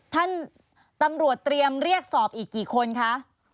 ตำรวจเตรียมเรียกสอบอีกกี่คนคะ